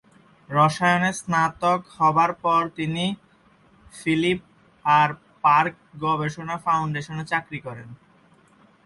রসায়নে স্নাতক হবার পর তিনি ফিলিপ আর পার্ক গবেষণা ফাউন্ডেশনে চাকরি করেন।